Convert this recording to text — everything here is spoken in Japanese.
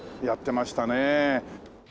やってましたねえ。